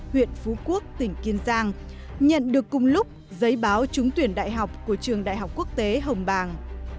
huyện phú quốc tỉnh kiên giang nhận được cùng lúc giấy báo trúng tuyển đại học của trường đại học quốc tế hồng bàng